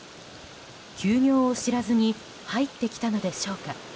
休業を知らずに入ってきたのでしょうか。